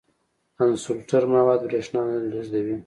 انسولټر مواد برېښنا نه لیږدوي.